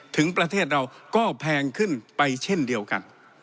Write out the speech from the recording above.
ถึงประเทศเราก็แพงขึ้นไปเช่นเดียวกัน